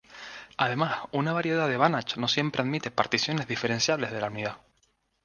Además, una variedad de Banach no siempre admite particiones diferenciables de la unidad.